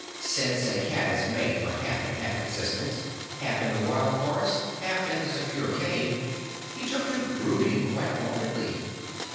Since a cat is made for a half and half existence half in the wild forest, half in the secure cave he took to brooding quite morbidly.